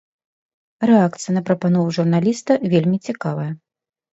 Рэакцыя на прапанову журналіста вельмі цікавая.